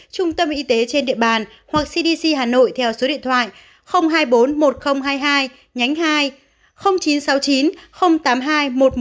trung tâm y tế trên địa bàn hoặc cdc hà nội theo số điện thoại hai trăm bốn mươi một nghìn hai mươi hai nhánh hai chín trăm sáu mươi chín tám mươi hai một trăm một mươi năm